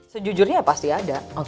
sejujurnya pasti ada